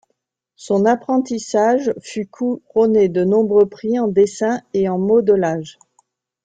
Son apprentissage fut couronné de nombreux prix en dessin et en modelage.